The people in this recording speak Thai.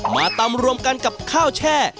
มาตำรวมกันกับข้าวแช่